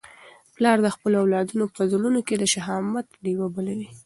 پلار د خپلو اولادونو په زړونو کي د شهامت ډېوه بلوي.